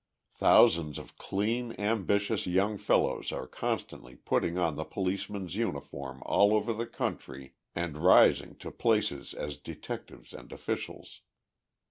Thousands of clean, ambitious young fellows are constantly putting on the policeman's uniform all over the country, and rising to places as detectives and officials.